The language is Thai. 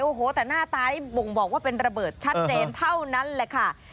โอ้โหแต่หน้าตายบ่งบอกว่าเป็นระเบิดชัดเจนเท่านั้นแหละค่ะ